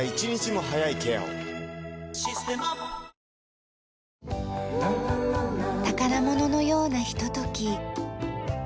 「システマ」宝物のようなひととき。